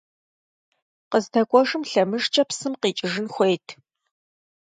КъыздэкӀуэжым лъэмыжкӀэ псым къикӀыжын хуейт.